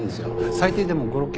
最低でも５６件。